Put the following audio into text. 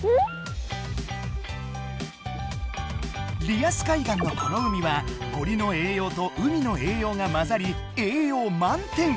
リアス海岸のこの海は森の栄養と海の栄養がまざり栄養満点。